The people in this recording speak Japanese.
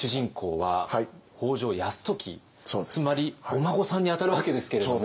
つまりお孫さんにあたるわけですけれども。